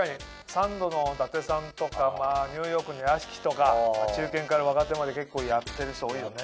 サンドの伊達さんとかニューヨークの屋敷とか中堅から若手まで結構やってる人多いよね。